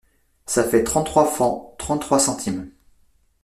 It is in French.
Ca fait trente-trois francs, trente-trois centimes.